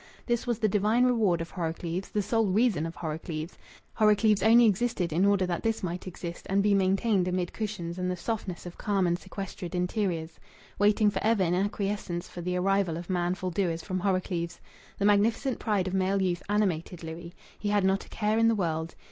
This was the divine reward of Horrocleave's, the sole reason of Horrocleave's. Horrocleave's only existed in order that this might exist and be maintained amid cushions and the softness of calm and sequestered interiors, waiting for ever in acquiescence for the arrival of manful doers from Horrocleave's. The magnificent pride of male youth animated Louis. He had not a care in the world.